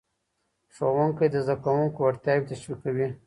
ښوونکی د زدهکوونکو وړتیاوې تشویقوي.